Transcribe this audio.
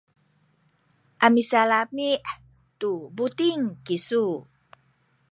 a misalami’ tu buting kisu.